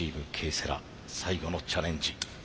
セラ最後のチャレンジ。